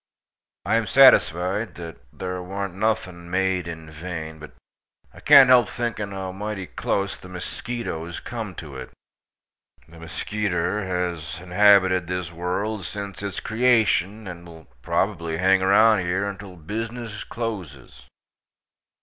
I am satisfied that thare want nothing made in vain, but i kant help thinking how mighty kluss the musketoze kum to it. The muskeeter haz inhabited this world since its kreashun, and will probably hang around here until bizzness closes.